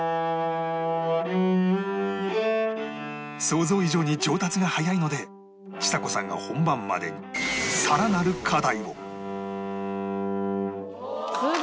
想像以上に上達が早いのでちさ子さんが本番までに更なる課題を！